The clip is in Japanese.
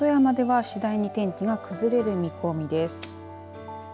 ただ、このあと富山では次第に天気が崩れる見込みです。